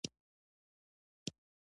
د ونو ایښودل د چاپیریال ساتنې سره مرسته کوي.